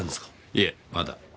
いえまだ。